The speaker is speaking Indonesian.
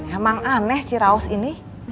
emang aneh ciraus ini